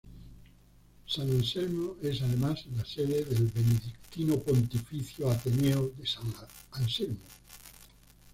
San Anselmo es además la sede del Benedictino Pontificio Ateneo de San Anselmo.